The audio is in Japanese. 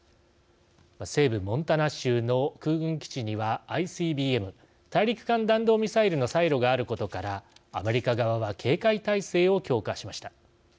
西部モンタナ州の空軍基地にはＩＣＢＭ＝大陸間弾道ミサイルのサイロがあることからアメリカ側は警戒態勢を強化しました。